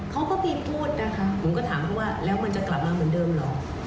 เขาก็มีพูดนะคะผมก็ถามเขาว่าแล้วมันจะกลับมาเหมือนเดิมเหรอ